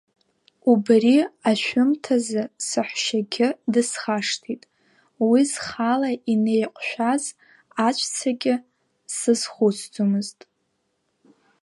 Убри ашәымҭазы саҳәшьагьы дысхашҭит, уи зхала инеиҟәшәаз аҵәцагьы сазхәыц-ӡомызт.